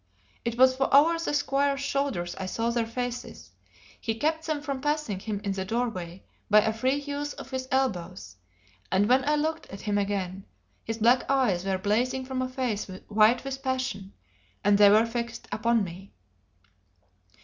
It was over the squire's shoulders I saw their faces; he kept them from passing him in the doorway by a free use of his elbows; and when I looked at him again, his black eyes were blazing from a face white with passion, and they were fixed upon me.